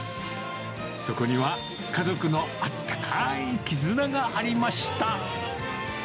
そこには家族のあったかーい絆がありました。